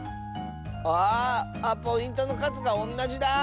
あポイントのかずがおんなじだ。